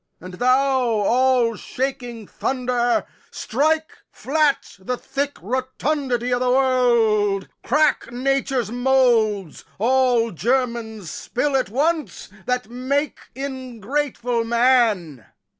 And thou, all shaking thunder, Strike flat the thick rotundity o' th' world, Crack Nature's moulds, all germains spill at once, That makes ingrateful man!